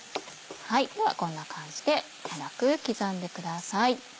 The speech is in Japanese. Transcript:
ではこんな感じで粗く刻んでください。